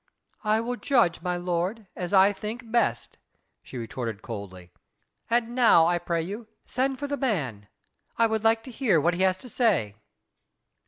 "I will judge, my lord, as I think best," she retorted coldly. "And now, I pray you, send for the man. I would like to hear what he has to say."